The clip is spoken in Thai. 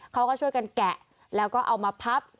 เขาก็ช่วยกันแกะแล้วก็เอามาพับ